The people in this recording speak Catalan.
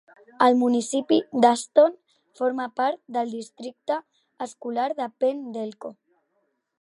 El municipi d'Aston forma part del districte escolar de Penn-Delco.